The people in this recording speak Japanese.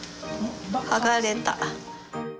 剥がれた。